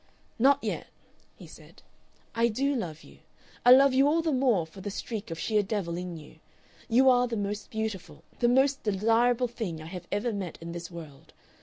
"Not yet," he said. "I do love you. I love you all the more for the streak of sheer devil in you.... You are the most beautiful, the most desirable thing I have ever met in this world.